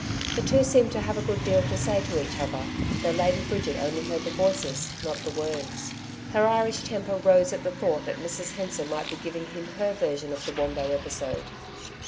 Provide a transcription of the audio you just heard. The two seemed to have a good deal to say to each other, though Lady Bridget heard only the voices, not the words. Her Irish temper rose at the thought that Mrs Hensor might be giving him her version of the Wombo episode.